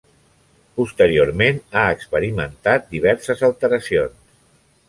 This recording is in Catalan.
Posteriorment ha experimentat diverses alteracions.